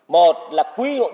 một là quy định